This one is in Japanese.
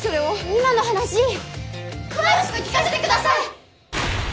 今の話詳しく聞かせてください！